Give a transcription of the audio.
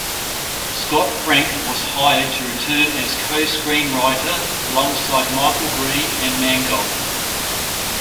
Scott Frank was hired to return as co-screenwriter, alongside Michael Green and Mangold.